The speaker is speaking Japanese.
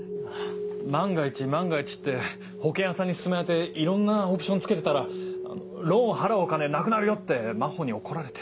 万が一万が一って保険屋さんに勧められていろんなオプションつけてたら「ローン払うお金なくなるよ」って真帆に怒られて。